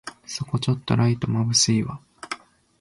そこちょっとライトまぶしいわ